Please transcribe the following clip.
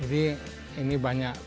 jadi ini banyak